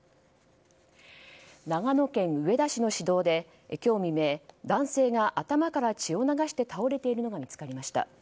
長野県上田市の市道で今日未明男性が頭から血を流して倒れているのが見つかりました。